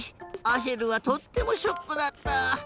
アシェルはとってもショックだった。